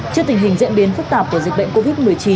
trước tình hình diễn biến phức tạp của dịch bệnh covid một mươi chín